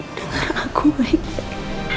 dengar aku baik baik